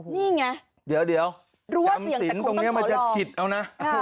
นี่ไงเดี๋ยวรั้วเสียงแต่คงต้องขอลอง